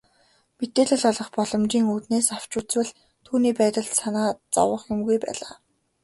Мэдээлэл олох боломжийн үүднээс авч үзвэл түүний байдалд санаа зовох юмгүй байлаа.